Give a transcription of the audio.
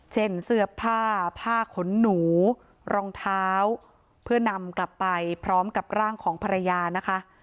เช่นเสื้อผ้าผ้าขนหนูรองเท้าเพื่อนำกลับไปพร้อมกับร่างของภรรยานะคะ